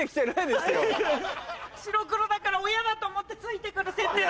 白黒だから親だと思ってついて来る設定だから。